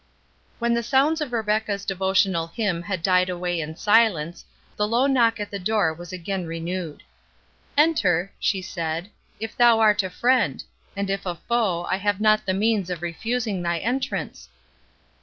When the sounds of Rebecca's devotional hymn had died away in silence, the low knock at the door was again renewed. "Enter," she said, "if thou art a friend; and if a foe, I have not the means of refusing thy entrance."